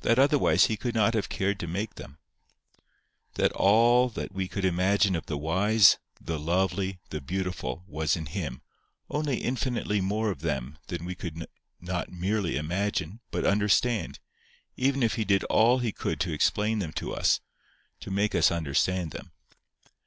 That otherwise He would not have cared to make them. That all that we could imagine of the wise, the lovely, the beautiful, was in Him, only infinitely more of them than we could not merely imagine, but understand, even if He did all He could to explain them to us, to make us understand them.